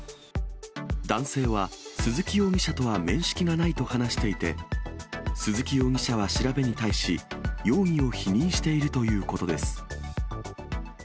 男性は鈴木容疑者とは面識がないと話していて、鈴木容疑者は調べに対し、容疑を否認しているということです。